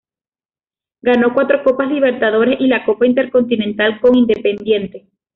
Ganó cuatro Copas Libertadores y la Copa Intercontinental con Independiente.